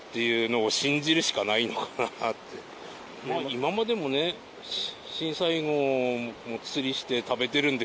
今までも、震災後も釣りして食べてるんで。